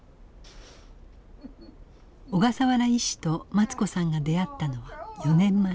小笠原医師とマツ子さんが出会ったのは４年前。